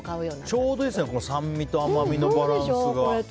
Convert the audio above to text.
ちょうどいいですね酸味と甘みのバランスが。